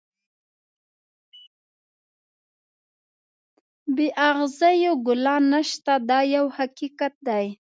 بې اغزیو ګلان نشته دا یو حقیقت دی.